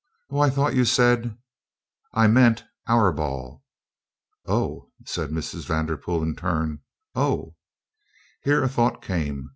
"Oh, I thought you said " "I meant our ball." "Oh!" said Mrs. Vanderpool in turn. "Oh!" Here a thought came.